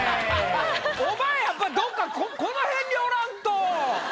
お前やっぱどっかこのへんにおらんと。